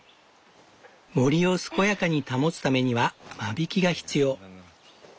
森を健やかに保つためには間引きが必要。